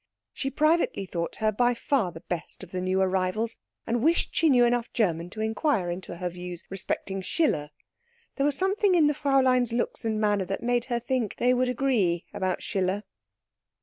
She privately thought her by far the best of the new arrivals, and wished she knew enough German to inquire into her views respecting Schiller; there was something in the Fräulein's looks and manner that made her think they would agree about Schiller.